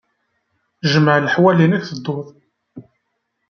Jmeɛ leḥwal-nnek tedduḍ.